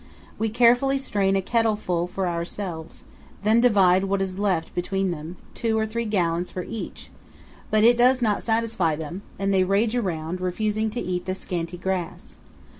We carefully strain a kettleful for ourselves, then divide what is left between them two or three gallons for each; but it does not satisfy them, and they rage around, refusing to eat the scanty grass.